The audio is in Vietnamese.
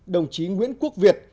đồng chí nguyễn quốc việt